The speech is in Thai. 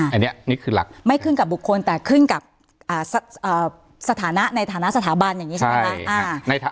อันนี้นี่คือหลักไม่ขึ้นกับบุคคลแต่ขึ้นกับสถานะในฐานะสถาบันอย่างนี้ใช่ไหมคะ